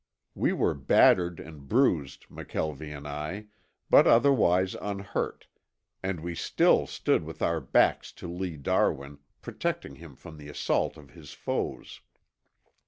We were battered and bruised, McKelvie and I, but otherwise unhurt, and we still stood with our backs to Lee Darwin, protecting him from the assault of his foes.